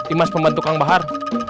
imas pembantu kang bahar